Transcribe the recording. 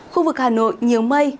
khu vực hà nội nhiều mây